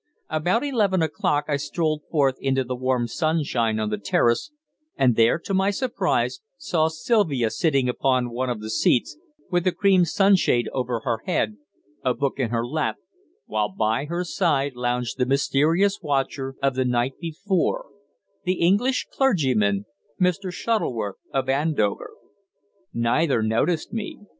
About eleven o'clock I strolled forth into the warm sunshine on the terrace, and there, to my surprise, saw Sylvia sitting upon one of the seats, with a cream sunshade over her head, a book in her lap, while by her side lounged the mysterious watcher of the night before the English clergyman, Mr. Shuttleworth of Andover. Neither noticed me.